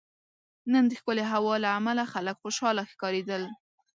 نن دښکلی هوا له عمله خلک خوشحاله ښکاریدل